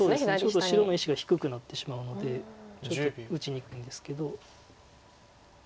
ちょっと白の石が低くなってしまうのでちょっと打ちにくいんですけど。